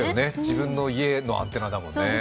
自分の家のアンテナだもんね。